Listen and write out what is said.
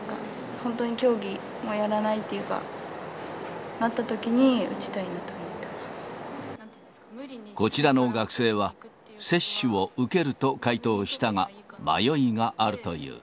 本当に競技もやらないっていうか、なったときに、打ちたいなと思っこちらの学生は、接種を受けると回答したが、迷いがあるという。